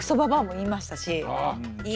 言いました私は。